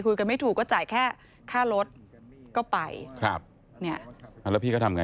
พี่เขาก็เอารถไปล้าง